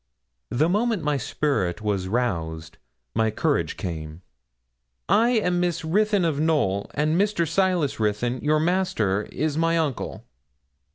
The moment my spirit was roused, my courage came. 'I am Miss Ruthyn of Knowl, and Mr. Silas Ruthyn, your master, is my uncle.'